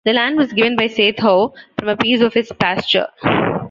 The land was given by Seth Howe, from a piece of his pasture.